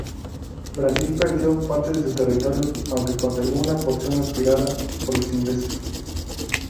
Brasil perdió parte de su territorio aunque conservó una porción aspirada por los ingleses.